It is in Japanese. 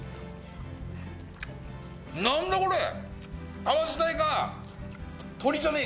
何だこれ！